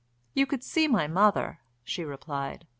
"You could see my mother," she replied.